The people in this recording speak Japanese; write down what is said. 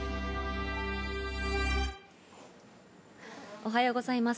おはようございます。